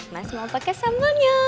mas mau pakai sambalnya